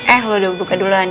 eh lo udah buka duluan